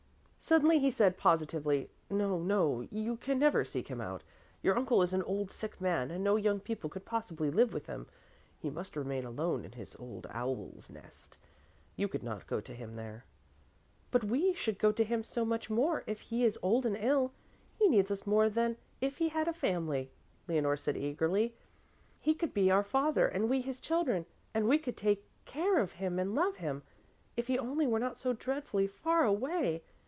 Suddenly he said positively, "No, no, you can never seek him out. Your uncle is an old, sick man, and no young people could possibly live with him. He must remain alone in his old owl's nest. You could not go to him there." "But we should go to him so much more, if he is old and ill. He needs us more then than if he had a family," Leonore said eagerly. "He could be our father and we his children and we could take care of him and love him. If he only were not so dreadfully far away!